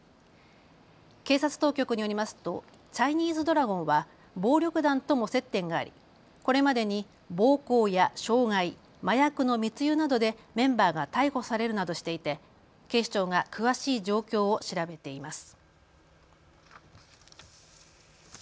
警察当局によりますとチャイニーズドラゴンは暴力団とも接点がありこれまでに暴行や傷害、麻薬の密輸などでメンバーが逮捕されるなどしていて警視庁が詳しい状況を調べています。